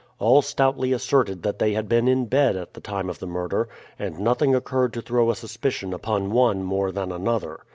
All stoutly asserted that they had been in bed at the time of the murder, and nothing occurred to throw a suspicion upon one more than another.